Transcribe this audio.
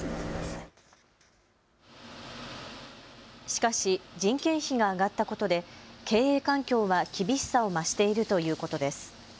しかし人件費が上がったことで経営環境は厳しさを増しているということです。